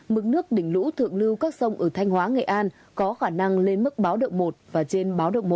mức nước đỉnh lũ thượng lưu các sông ở thanh hóa nghệ an có khả năng lên mức báo động một và trên báo động một